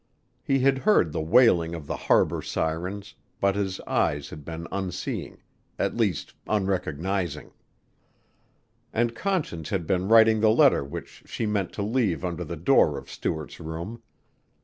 He had heard the wailing of the harbor sirens but his eyes had been unseeing at least unrecognizing. And Conscience had been writing the letter which she meant to leave under the door of Stuart's room.